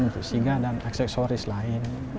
untuk singa dan aksesoris lain